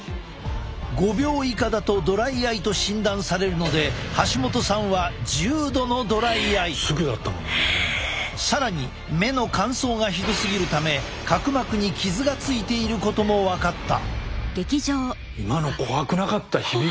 ５秒以下だとドライアイと診断されるので橋本さんは更に目の乾燥がひどすぎるため角膜に傷がついていることも分かった。